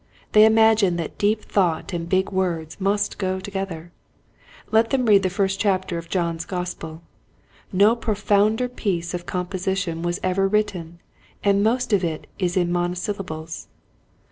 They imagine that deep thought ^ and big words must go together. Let them read the first chapter of John's Gospel. No profounder piece of composi tion was ever written, and most of it is in monosyllables.